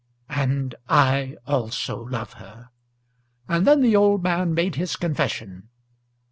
"And I also love her." And then the old man made his confession.